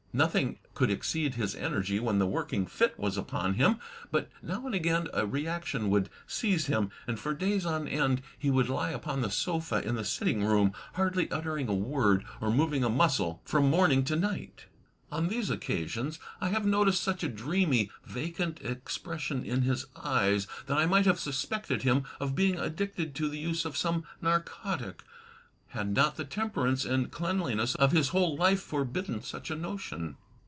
Nothing could exceed his energy when the working fit was upon him; but now and again a reaction would seize him, and for days on end he would lie upon the sofa in the sit ting room, hardly uttering a word or moving a muscle from morning 1 66 THE TECHNIQUE OF THE MYSTERY STORY to night. On these occasions I have noticed such a dreamy, vacant expression in his eyes, that I might have suspected him of being addicted to the use of some narcotic, had not the temperance and cleanliness of his whole life forbidden such a notion.